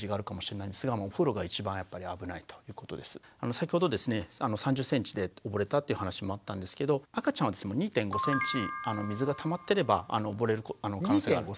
先ほどですね３０ｃｍで溺れたっていう話もあったんですけど赤ちゃんは２．５ｃｍ水がたまってれば溺れる可能性がある。